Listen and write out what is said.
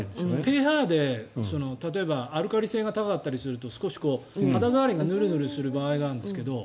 ペーハーで例えばアルカリ性が高かったりすると少し肌触りがヌルヌルする場合があるんですけど。